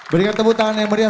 berikan tepuk tangan yang meriah